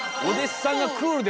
お弟子さん